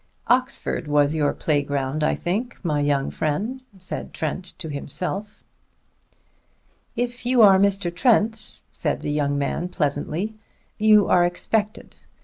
"Oxford was your playground, I think, my young friend," said Trent to himself. "If you are Mr. Trent," said the young man pleasantly, "you are expected. Mr.